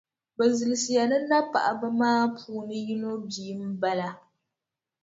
Bɛ zilisiya ni napaɣiba maa puuni yino bia m-bala.